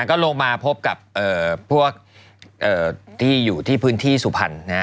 ก็ลงมาพบกับพวกที่อยู่ที่พื้นที่สุพรรณ